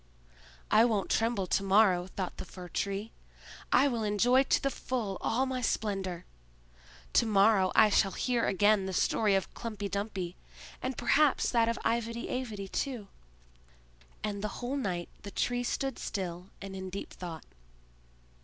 "I won't tremble to morrow!" thought the Fir tree. "I will enjoy to the full all my splendor! To morrow I shall hear again the story of Klumpy Dumpy, and perhaps that of Ivedy Avedy too." And the whole night the Tree stood still and in deep thought.